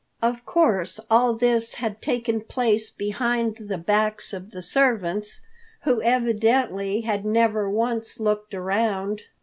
Of course all this had taken place behind the backs of the servants, who evidently had never once looked around.